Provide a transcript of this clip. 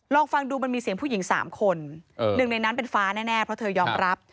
ลองฟังดูมันมีเสียงผู้หญิงสามคนหนึ่งในนั้นเป็นฟ้าแน่เพราะเธอยอมรับ